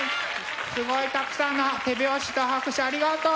すごいたくさんの手拍子と拍手ありがとう！